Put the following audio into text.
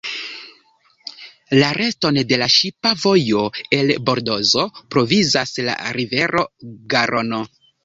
La reston de la ŝipa vojo al Bordozo provizas la rivero Garono.